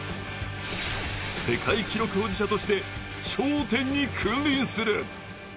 世界記録保持者として頂点に君臨する。